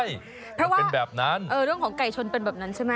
เออเรื่องของไก่ชนเป็นแบบนั้นใช่ไหม